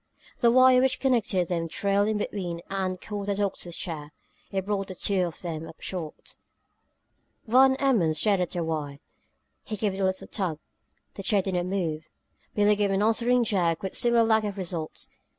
The wire which connected them trailed in between and caught on the doctor's chair. It brought the two of them up short. Van Emmon stared at the wire. He gave it a little tug. The chair did not move. Billie gave an answering jerk, with similar lack of results.